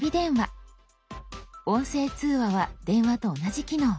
「音声通話」は電話と同じ機能。